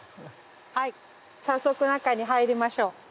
早速中に入りましょう。